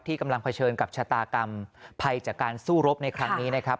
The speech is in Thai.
กำลังเผชิญกับชะตากรรมภัยจากการสู้รบในครั้งนี้นะครับ